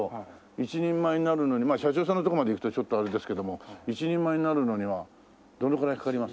一人前になるのに社長さんのとこまでいくとちょっとあれですけども一人前になるのにはどのくらいかかります？